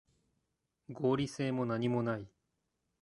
合理性もなにもない